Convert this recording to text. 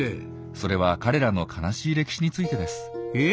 それは彼らの悲しい歴史についてです。え？